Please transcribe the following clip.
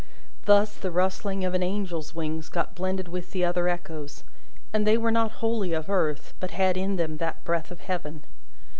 Thus, the rustling of an Angel's wings got blended with the other echoes, and they were not wholly of earth, but had in them that breath of Heaven.